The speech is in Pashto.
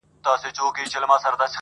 • یا دي زما له کوره ټول سامان دی وړی -